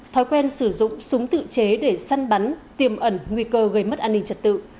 thói quen sử dụng súng tự chế để săn bắn tiêm ẩn nguy cơ gây mất an ninh trật tự